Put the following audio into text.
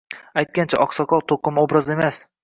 Aytgancha, oqsoqol to`qima obraz emas